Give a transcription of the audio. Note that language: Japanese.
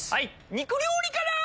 肉料理から！